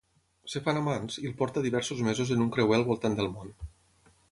Es fan amants i el porta diversos mesos en un creuer al voltant del món.